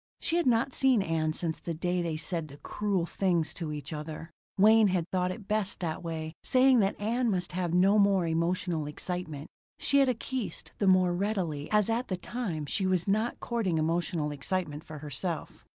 She had not seen Ann since the day they said the cruel things to each other. Wayne had thought it best that way, saying that Ann must have no more emotional excitement. She had acquiesced the more readily as at the time she was not courting emotional excitement for herself.